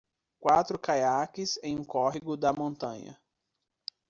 Quatro caiaques em um córrego da montanha.